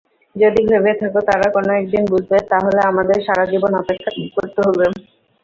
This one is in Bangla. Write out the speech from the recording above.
যদি ভেবে থাকো তারা কোনো একদিন বুঝবে, তাহলে আমাদের সারাজীবন অপেক্ষা করতে হবে।